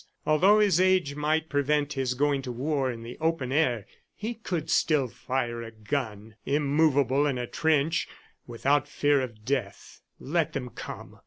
Although his age might prevent his going to war in the open air, he could still fire a gun, immovable in a trench, without fear of death. Let them come!